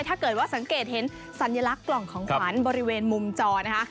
ถ้าเกิดว่าสังเกตเห็นสัญลักษณ์กล่องของขวัญบริเวณมุมจอนะคะ